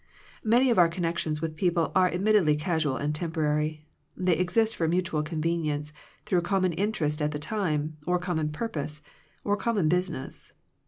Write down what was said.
Many of our connections with people are admittedly casual and temporary. They exist for mutual convenience through common interest at the time, or common purpose, or common business.